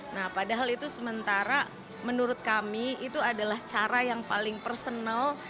nah padahal itu sementara menurut kami itu adalah cara yang paling personal